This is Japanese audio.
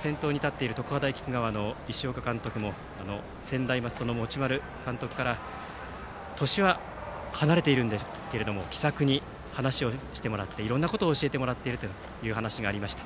先頭に立っている常葉大菊川の石岡監督も専大松戸の持丸監督から年は離れているんだけれども気さくに話をしてもらっていろんなことを教えてもらっているという話がありました。